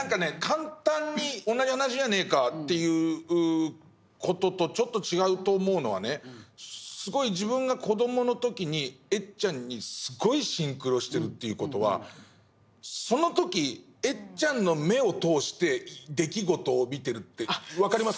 簡単に同じ話じゃねえかっていう事とちょっと違うと思うのはねすごい自分が子どもの時にエッちゃんにすごいシンクロしてるっていう事はその時エッちゃんの目を通して出来事を見てるって分かります？